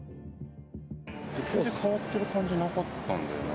変わっている感じ、なかったんだよな。